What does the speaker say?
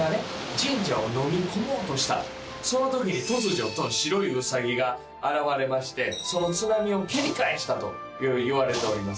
神社をのみ込もうとしたその時に突如白いウサギが現れましてその津波を蹴り返したといわれております